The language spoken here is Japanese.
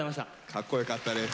かっこよかったです。